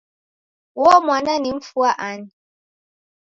Uo mwai ni mfu wa ani?